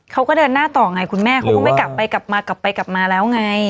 เขาก็เดินหน้าต่อไงคุณแม่เขาก็ไม่กลับไปกลับมากลับไปกลับมาแล้วไง